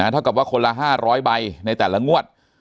ถ้าเกิดว่าคนละ๕๐๐ใบในแต่ละงวด